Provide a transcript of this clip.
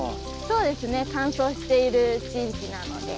そうですね乾燥している地域なので。